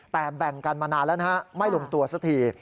แต่แบ่งกันมานานแล้วนะฮะไม่ลงตัวสักที